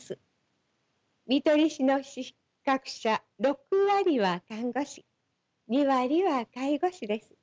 看取り士の資格者６割は看護師２割は介護士です。